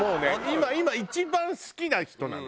今一番好きな人なの。